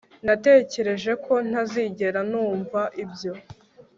natekereje ko ntazigera numva ibyo